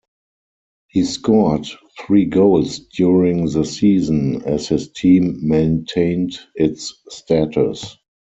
He scored three goals during the season, as his team maintained its status.